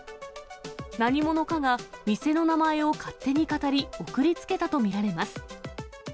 何者かが店の名前を勝手にかたり、送りつけたと見られます。